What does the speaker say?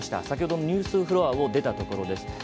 先ほどのニュースフロアを出たところです。